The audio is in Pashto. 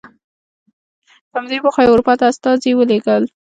په همدې موخه یې اروپا ته استازي ولېږل.